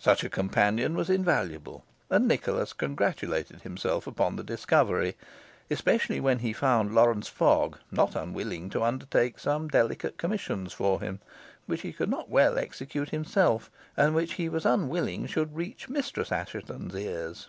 Such a companion was invaluable, and Nicholas congratulated himself upon the discovery, especially when he found Lawrence Fogg not unwilling to undertake some delicate commissions for him, which he could not well execute himself, and which he was unwilling should reach Mistress Assheton's ears.